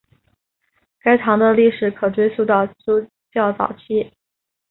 该堂的历史可追溯到基督教早期。